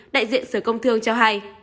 đại diện sở công thương cho hay